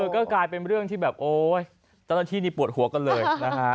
ก็กลายเป็นเรื่องที่ตอนนี้ปวดหัวก็เลย